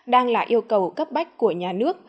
đang là yêu cầu cấp bách của nhà nước